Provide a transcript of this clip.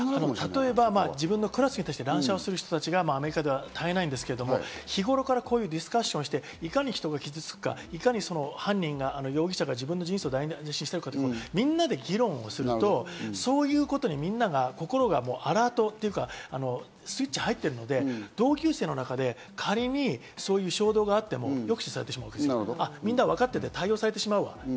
例えば自分のクラスに対して、乱射する人が絶えないですが、日頃からディスカッションして、いかに人が傷つくか、いかに容疑者が自分の人生を台なしにしてるか、みんなで議論するとそういうことにみんなが、心がアラートというか、スイッチが入ってるので、同級生の中で仮にそういう衝動があっても抑止されてしまう。